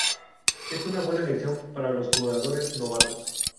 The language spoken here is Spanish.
Es una buena elección para los jugadores novatos.